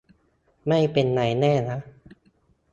ไม่เป็นไรแน่นะ